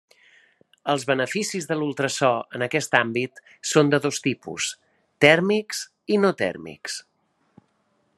Els beneficis de l'ultrasò en aquest àmbit són de dos tipus: tèrmics i no tèrmics.